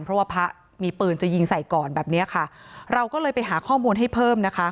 เพราะว่าพระมีปืนจะยิงใส่ก่อนแบบเนี้ยค่ะเราก็เลยไปหาข้อมูลให้เพิ่มนะคะ